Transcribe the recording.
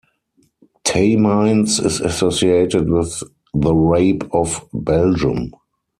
Tamines is associated with the Rape of Belgium.